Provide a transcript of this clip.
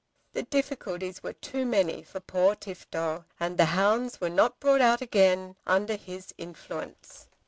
The difficulties were too many for poor Tifto, and the hounds were not brought out again under his influence.